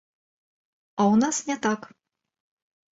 А ў нас не так.